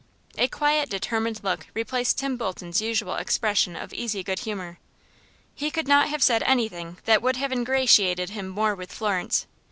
A quiet, determined look replaced Tim Bolton's usual expression of easy good humor. He could not have said anything that would have ingratiated him more with Florence.